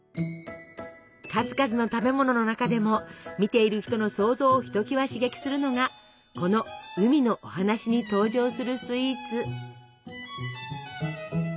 数々の食べ物の中でも見ている人の想像をひときわ刺激するのがこの「うみのおはなし」に登場するスイーツ。